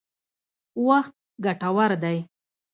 وخت ګټور دی.